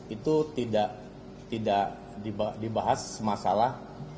itu tidak dibahas masalah